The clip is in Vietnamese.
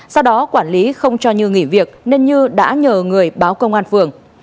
sau đó quản lý không cho như nghỉ việc nên như đã nhờ người báo công an phường